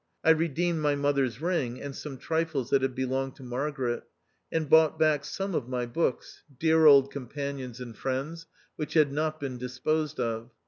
I redeemed my mother's ring, and some trifles that had belonged to Margaret, and bought back some of my books (dear old 2 36 THE OUTCAST. companions and friends) which had not been disposed of.